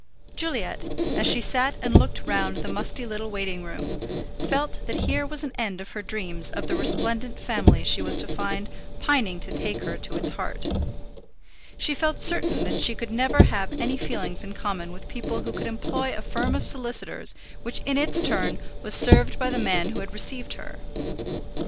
Juliet, as she sat and looked round the musty little waiting room, felt that here was an end of her dreams of the resplendent family she was to find pining to take her to its heart. She felt certain that she could never have any feelings in common with people who could employ a firm of solicitors which in its turn was served by the man who had received her.